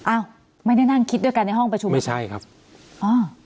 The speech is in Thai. อ้าวไม่ได้นั่งคิดด้วยกันในห้องประชุมไม่ใช่ครับอ๋อ